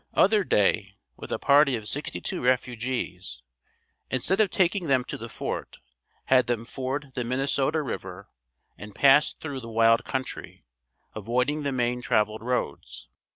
Otherday, with a party of sixty two refugees, instead of taking them to the fort, had them ford the Minnesota River and pass through the wild country, avoiding the main traveled roads.